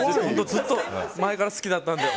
ずっと前から好きだったので。